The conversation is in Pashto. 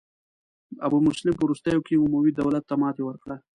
ابو مسلم په وروستیو کې اموي دولت ته ماتې ورکړه.